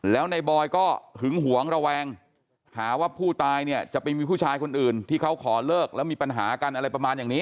แล้วในบอยก็หึงหวงระแวงหาว่าผู้ตายเนี่ยจะไปมีผู้ชายคนอื่นที่เขาขอเลิกแล้วมีปัญหากันอะไรประมาณอย่างนี้